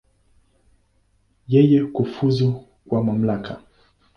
Yeye kufuzu kwa mamlaka.